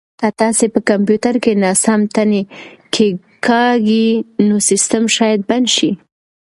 که تاسي په کمپیوټر کې ناسم تڼۍ کېکاږئ نو سیسټم شاید بند شي.